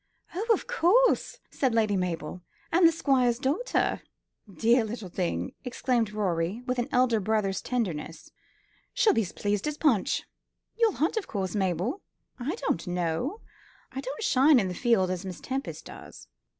"Of course," said Lady Mabel, "and the Squire's daughter." "Dear little thing!" exclaimed Rorie, with an elder brother's tenderness; "she'll be as pleased as Punch. You'll hunt, of course, Mabel?" "I don't know. I don't shine in the field, as Miss Tempest does."